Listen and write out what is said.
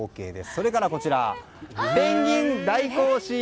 それからペンギン大行進！